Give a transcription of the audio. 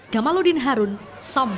jamaludin harun sampang